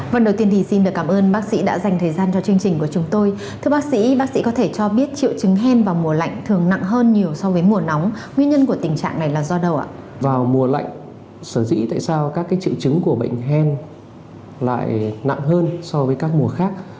vào mùa lạnh sở dĩ tại sao các triệu chứng của bệnh hen lại nặng hơn so với các mùa khác